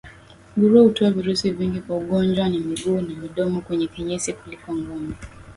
Nguruwe hutoa virusi vingi vya ugonjwa wa miguu na midomo kwenye kinyesi kuliko ngombe